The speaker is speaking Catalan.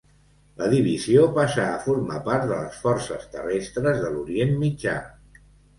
La divisió passà a formar part de les Forces Terrestres de l'Orient Mitjà.